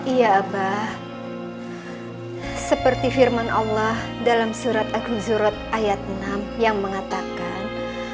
iya abah seperti firman allah dalam surat aku zurot ayat enam yang mengatakan